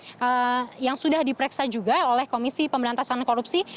seperti yoris raweayi begitu yang sudah diperiksa juga oleh komisi pemberantasan korupsi